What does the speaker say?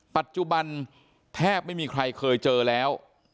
ปัจจุบันแทบไม่มีใครเคยเจอแล้ว